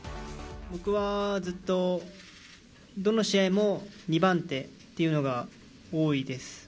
僕はずっとどの試合も２番手っていうのが多いです。